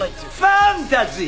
ファンタジー！